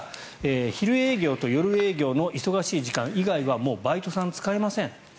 昼営業と夜営業の忙しい時間帯以外はもうバイトさんを使いません。